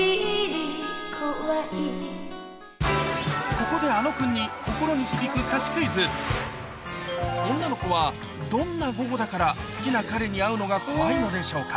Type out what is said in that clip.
ここであの君に女の子はどんな午後だから好きな彼に会うのが怖いのでしょうか？